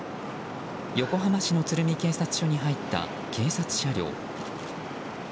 横浜市の鶴見警察署に入った警察車両。